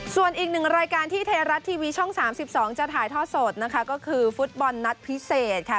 ส่วนอีกหนึ่งรายการที่ไทยรัฐทีวีช่อง๓๒จะถ่ายทอดสดนะคะก็คือฟุตบอลนัดพิเศษค่ะ